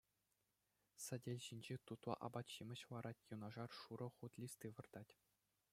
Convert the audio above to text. Сӗтел ҫинче тутлӑ апат-ҫимӗҫ ларать, юнашар шурӑ хут листи выртать.